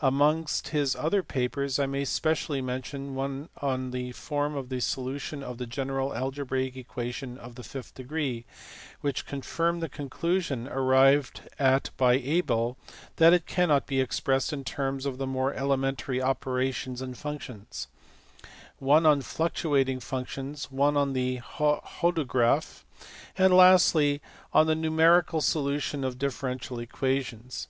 Amongst his other papers, I may specially mention one on the form of the solution of the gumel elgfiUriir equation of the fifth degree, which confirmed the conclusion arrived at by Abel that it cannot be expressed in terms of the more elementary operations and functions : one on fluctuating functions ; one on the hodograph ; and lastly one on the numerical solution of differential equations.